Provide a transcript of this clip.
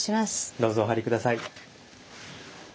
どうぞお入り下さい。